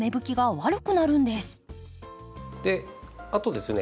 あとですね